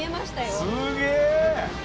すげえ！